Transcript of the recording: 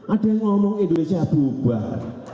ada yang ngomong indonesia bubar